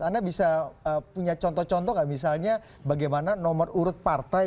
anda bisa punya contoh contoh nggak misalnya bagaimana nomor urut partai